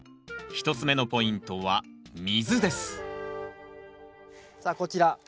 １つ目のポイントは水ですさあこちら。